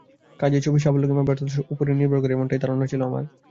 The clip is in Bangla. কাজেই ছবির সাফল্য কিংবা ব্যর্থতা সবার ওপরই নির্ভর করবে—এমনটাই ধারণা ছিল আমার।